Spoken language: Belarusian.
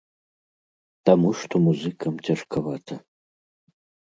Таму што музыкам цяжкавата.